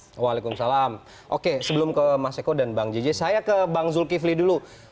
waalaikumsalam oke sebelum ke mas eko dan bang jj saya ke bang zulkifli dulu